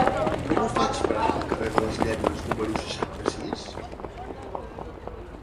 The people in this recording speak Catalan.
Com ho faig per anar al carrer de les Lletres número seixanta-sis?